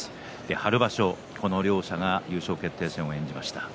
春場所、この両者が優勝決定戦を演じました。